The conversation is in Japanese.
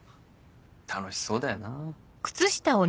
楽しそうだよなぁ。